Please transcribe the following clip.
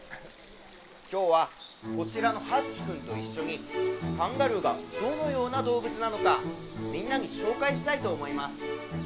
今日はこちらのハッチ君と一緒にカンガルーがどのような動物なのかみんなに紹介したいと思います。